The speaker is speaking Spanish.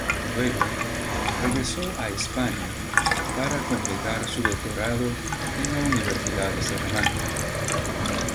Luego, regresó a España, para completar su doctorado en la Universidad de Salamanca.